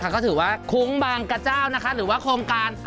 ก็ถือว่าคุ้งบางกระเจ้าหรือว่าโครงการ